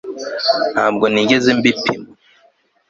ntabwo nigeze mbipima